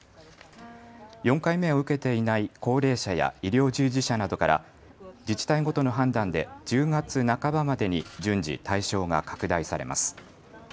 ４回目を受けていない高齢者や医療従事者などから自治体ごとの判断で１０月半ばまでに順次、対象が拡大されます。